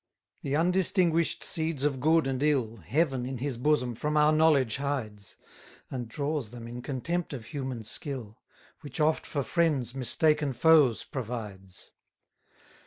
36 The undistinguish'd seeds of good and ill, Heaven, in his bosom, from our knowledge hides: And draws them in contempt of human skill, Which oft for friends mistaken foes provides.